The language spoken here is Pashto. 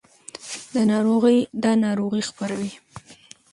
دا ناروغۍ خپروي.